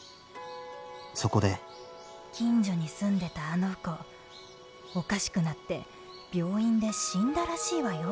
そこで近所に住んでたあの子おかしくなって病院で死んだらしいわよ。